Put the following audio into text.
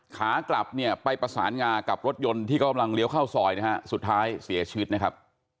ขากลับไปประสานงานกับรถยนต์ที่เขาเรียวเข้าซอยสุดท้ายเสียชืดนะครับ